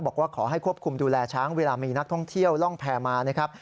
บอกว่าขอให้ควบคุมดูแลช้างเวลามีนักท่องเที่ยวล่องแพรมานะครับ